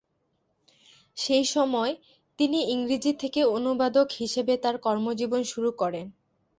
সেই সময়, তিনি ইংরেজি থেকে অনুবাদক হিসাবে তার কর্মজীবন শুরু করেন।